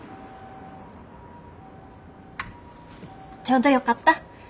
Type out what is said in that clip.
ちょうどよかった。